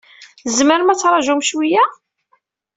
Tzemrem ad tṛajum cwiya?